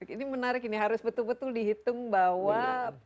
ini menarik ini harus betul betul dihitung bahwa